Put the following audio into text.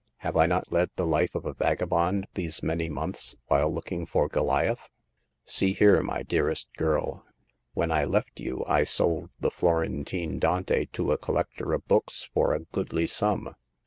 Have I not led the life of a vagabond these many months while looking for Goliath ? See here, my dearest girl ; when I left you I sold the Florentine Dante to a collector of books for a goodly sum.